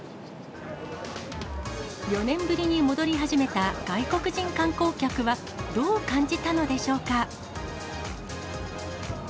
４年ぶりに戻り始めた外国人観光客は、どう感じたのでしょうか。